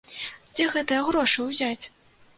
Дзе гэтыя грошы ўзяць?